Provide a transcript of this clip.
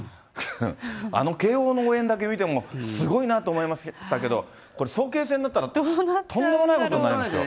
あの慶応の応援だけ見てもすごいなと思いましたけど、これ早慶戦になったら、とんでもないことになりますよ。